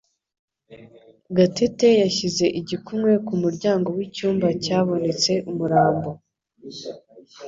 Gatete yasize igikumwe ku muryango wicyumba cyabonetse umurambo